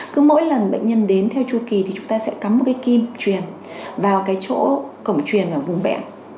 cứ mỗi lần bệnh nhân đến theo chu kỳ thì chúng ta sẽ cắm một cái kim truyền vào cái chỗ cổng truyền và vùng vẹn